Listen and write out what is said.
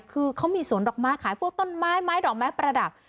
คือเขามีสวนดอกไม้ขายพวกต้นไม้ไม้ดอกไม้ประดับ